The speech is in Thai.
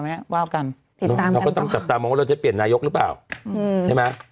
ไข่ตาอว่าเราจะเปลี่ยนนายกหรือเปล่า